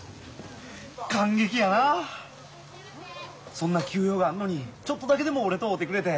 そんな急用があんのにちょっとだけでも俺と会うてくれて。